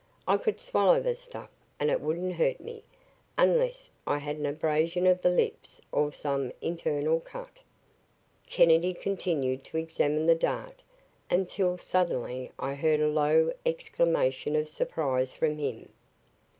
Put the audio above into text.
I could swallow the stuff and it wouldn't hurt me unless I had an abrasion of the lips or some internal cut." Kennedy continued to examine the dart until suddenly I heard a low exclamation of surprise from him.